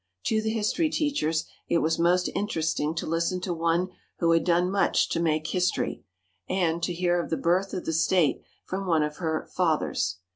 To the history teachers, it was most interesting to listen to one who had done much to make history, and to hear of the birth of the State from one of her "fathers."